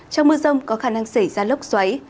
trong mưa rông có khả năng xảy ra lốc xoáy